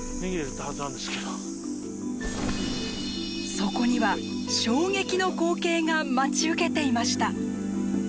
そこには衝撃の光景が待ち受けていました！